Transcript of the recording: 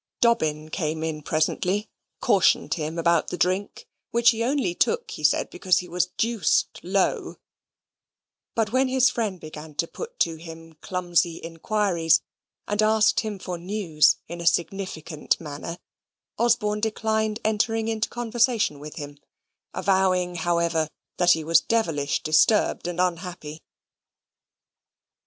Dobbin came in presently, cautioned him about the drink, which he only took, he said, because he was deuced low; but when his friend began to put to him clumsy inquiries, and asked him for news in a significant manner, Osborne declined entering into conversation with him, avowing, however, that he was devilish disturbed and unhappy.